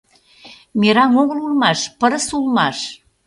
— Мераҥ огыл улмаш, пырыс улмаш...